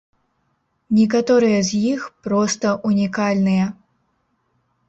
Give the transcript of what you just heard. Некаторыя з іх проста ўнікальныя.